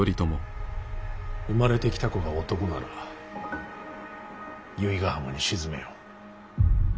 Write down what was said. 生まれてきた子が男なら由比ヶ浜に沈めよ。